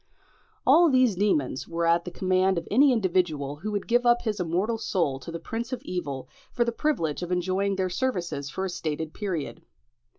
All these demons were at the command of any individual who would give up his immortal soul to the prince of evil for the privilege of enjoying their services for a stated period.